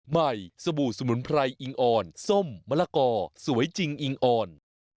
สบู่สมุนไพรอิงอ่อนส้มมะละกอสวยจริงอิงอ่อน